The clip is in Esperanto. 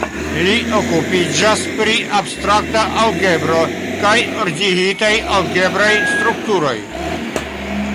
Li okupiĝas pri abstrakta algebro kaj ordigitaj algebraj strukturoj.